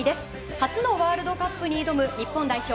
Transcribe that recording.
初のワールドカップに挑む日本代表